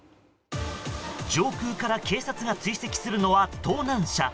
上空から警察が追跡するのは盗難車。